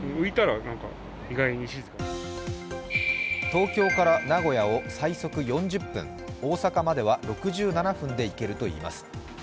東京から名古屋を最速４０分、大阪までは６７分で行けるといいます。